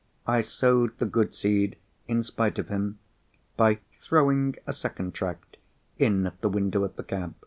I sowed the good seed, in spite of him, by throwing a second tract in at the window of the cab.